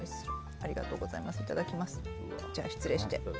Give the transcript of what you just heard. ありがとうございます。